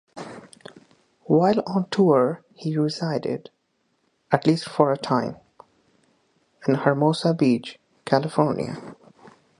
While on tour he resided, at least for a time, in Hermosa Beach, California.